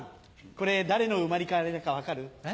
これ誰の生まれ変わりだか分かる？え？